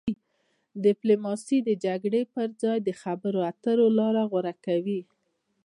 ډیپلوماسي د جګړې پر ځای د خبرو اترو لاره غوره کوي.